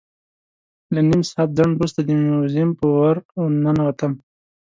له نیم ساعت ځنډ وروسته د موزیم په ور ننوتم.